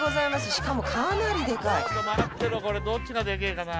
しかもかなりでかいこれどっちがでけえかな？